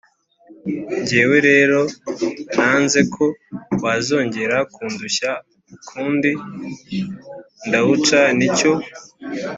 Ngewe rero, nanze ko wazongera kundushya ukundi ndawuca. Ni cyo